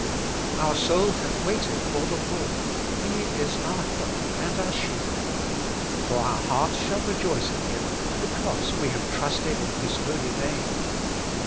Our Boul hath waited for the Lord ; He is our help and our shield. For our heart shall rejoice in Him, Because we have trusted in His holy name.